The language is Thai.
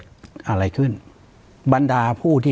ปากกับภาคภูมิ